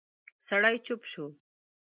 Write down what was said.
سړی چوپ شو.